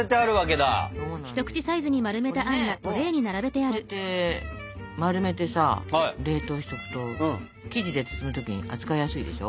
これねこうやって丸めてさ冷凍しとくと生地で包む時に扱いやすいでしょ。